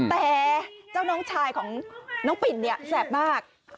แต่เจ้าน้องชายของน้องปิ่นเนี่ยแสบมาก